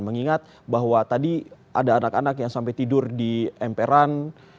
mengingat bahwa tadi ada anak anak yang sampai tidur di emperan